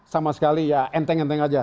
sama sekali ya enteng enteng aja